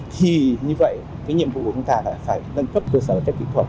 thì như vậy cái nhiệm vụ của chúng ta là phải nâng cấp cơ sở vật chất kỹ thuật